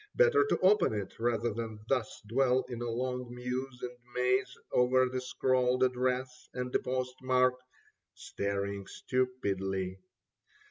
Better to open it rather than thus Dwell in a long muse and maze Over the scrawled address and the postmark. Staring stupidly.